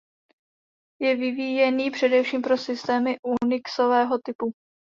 Je vyvíjený především pro systémy unixového typu.